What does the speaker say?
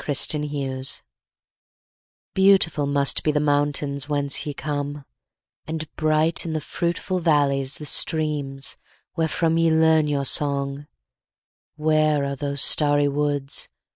Nightingales BEAUTIFUL must be the mountains whence ye come, And bright in the fruitful valleys the streams, wherefrom Ye learn your song: Where are those starry woods?